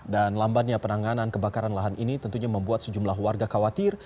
dan lambannya penanganan kebakaran lahan ini tentunya membuat sejumlah warga khawatir